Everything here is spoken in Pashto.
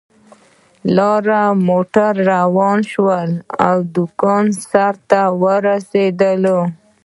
لارۍ موټر روان شو او د کان سر ته ورسېدل